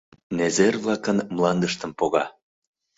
Незер-влакын мландыштым пога...